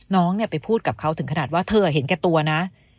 น้องไปพูดกับเขาถึงขนาดว่าเธอเห็นแก่ตัวนะ